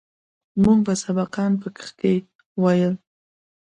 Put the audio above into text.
موږ به سبقان پکښې ويل.